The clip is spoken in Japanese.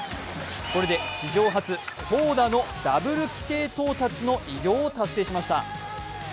これで史上初投打のダブル規定投球の偉業を達成しました。